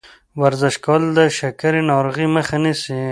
ورزش کول د شکرې ناروغۍ مخه نیسي.